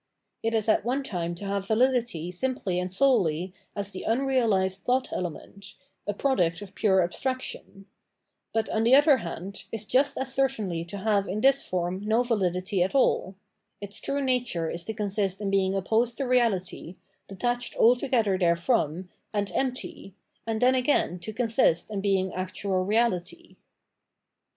It is at one time to have vahdity simply and solely as the unrealised thought element, a product of pure abstraction ; but, on the other hand, is just as 038 Phenomenology of Mind, certainly to have in this form no validity at all: its true nature is to consist in being opposed to reality, detached altogether therefrom, and empty, and then again to consist in being actual reality.